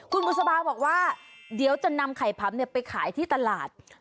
คุณบุษบาบอกว่าเดี๋ยวจะนำไข่พำไปขายที่ตลาด